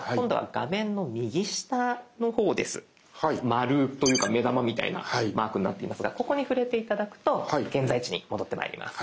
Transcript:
丸というか目玉みたいなマークになっていますがここに触れて頂くと現在地に戻ってまいります。